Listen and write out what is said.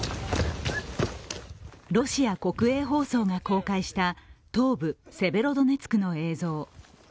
ロシア国営放送が公開した東部セベロドネツクの映像。